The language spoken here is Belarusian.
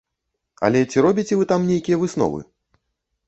Але ці робіце вы там нейкія высновы?